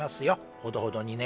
ほどほどにね。